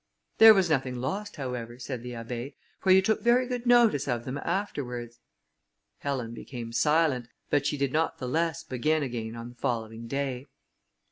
"There was nothing lost, however," said the Abbé, "for you took very good notice of them afterwards." Helen became silent, but she did not the less begin again on the following day.